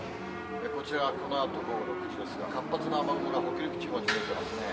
こちらは、このあと午後６時ですが、活発な雨雲が北陸地方に見えてますね。